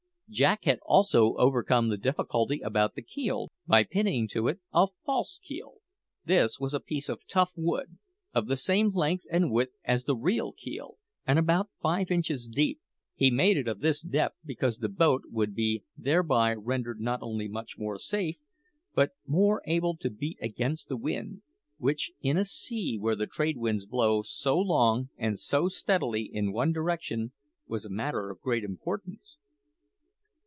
Jack had also overcome the difficulty about the keel by pinning to it a false keel. This was a piece of tough wood, of the same length and width as the real keel, and about five inches deep. He made it of this depth because the boat would be thereby rendered not only much more safe, but more able to beat against the wind which, in a sea where the trade winds blow so long and so steadily in one direction, was a matter of great importance.